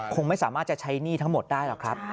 คงไม่สามารถจะใช้หนี้ทั้งหมดได้หรอกครับ